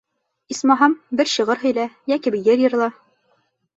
Исмаһам, бер шиғыр һөйлә, йәки йыр йырла.